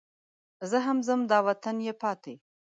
زه هم ځم دا وطن یې پاتې.